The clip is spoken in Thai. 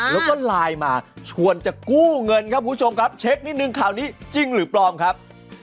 แล้วก็ไลน์มาชวนจะกู้เงินครับคุณผู้ชมครับเช็คนิดนึงข่าวนี้จริงหรือปลอมครับ